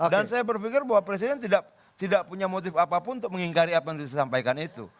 dan saya berpikir bahwa presiden tidak punya motif apapun untuk mengingkari apa yang disampaikan itu